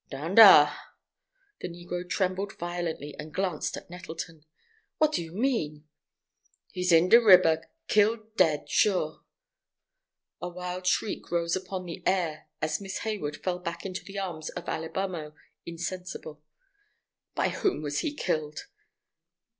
"Down dar!" The negro trembled violently, and glanced at Nettleton. "What do you mean?" "He's in de riber—killed dead, sure!" A wild shriek rose upon the air as Miss Hayward fell back into the arms of Alibamo, insensible. "By whom was he killed?"